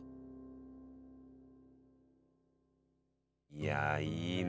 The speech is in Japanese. いやいいね。